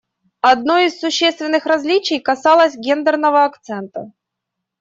Одно из существенных различий касалось гендерного акцента.